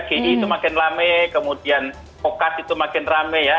gi itu makin rame kemudian pokat itu makin rame ya